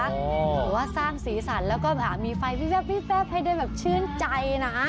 บอกว่าสร้างสีสันแล้วก็มีไฟวิบให้ได้แบบชื่นใจนะ